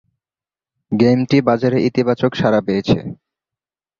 গেমটি বাজারে ইতিবাচক সাড়া পেয়েছে।